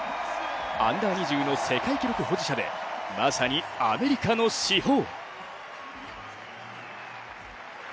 アンダー２０の世界記録保持者でまさにアメリカの至宝。